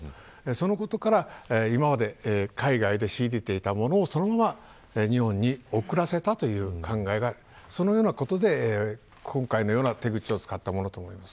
そのことから、今まで海外で仕入れていたものをそのまま日本に送らせたという考えがそのようなことで今回のような手口を使ったものと思います。